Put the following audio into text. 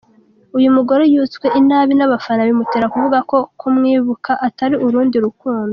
Uyu mugore yutswe inabi n’abafana bimutera kuvuga ko kumwibuka atari urundi rukundo.